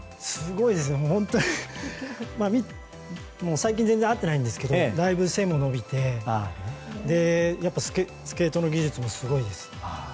本当に最近全然会ってないんですけどだいぶ背が伸びてスケートの技術もすごいです。